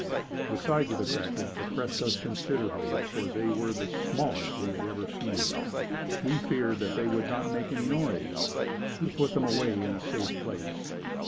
The size of the crackers depressed us considerably for they were the smallest we had ever seen. We feared they would not make any noise. We put them away in a safe place.